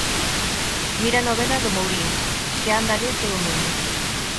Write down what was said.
Mira a novela do Mourín que anda a ler todo o mundo.